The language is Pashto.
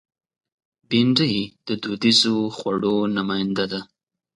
بېنډۍ د دودیزو خوړو نماینده ده